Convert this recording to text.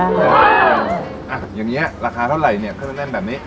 อย่างนี้ราคาเท่าไหร่เนี่ยเครื่องเล่นแบบนี้